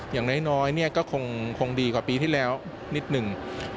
อย่างน้อยก็คงดีกว่าปีที่แล้วนิดหนึ่ง